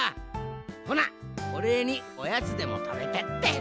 ほなおれいにおやつでもたべてって。